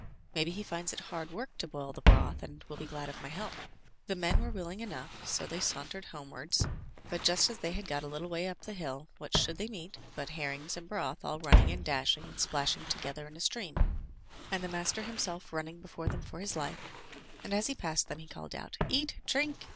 Maybe he finds it hard work to boil the broth, and will be glad of my help.*' The men were willing enough, so they sauntered homewards. But just as they had got a little way up the hill, what should they meet but herrings and broth, all running and dashing and 162 THROUGH FAIRY HALLS splashing together iji a stream, and the master himself running before them for his life, and as he passed them he called out: "Eat, drink!